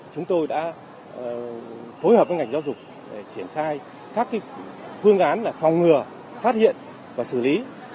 chúng tôi đã phối hợp với ngành giáo dục để triển khai các phương án phòng ngừa phát hiện và xử lý